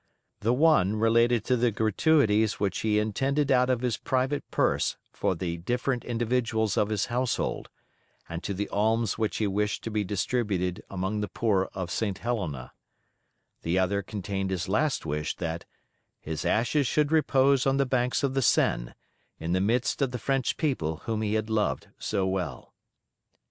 The one related to the gratuities which he intended out of his private purse for the different individuals of his household, and to the alms which he wished to be distributed among the poor of St. Helena; the other contained his last wish that "his ashes should repose on the banks of the Seine, in the midst of the French people whom he had loved so well."